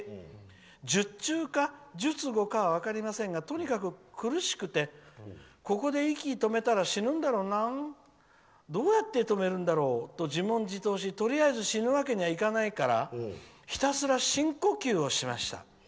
術中か、術後かは分かりませんがとにかく苦しくてここで息を止めたら死ぬんだろうなどうやって止めるんだろう？と自問自答しとりあえず死ぬわけにはいかないからひたすら深呼吸をしました。